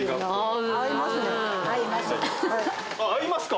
合いますか？